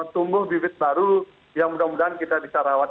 tumbuh bibit baru yang mudah mudahan kita bisa rawat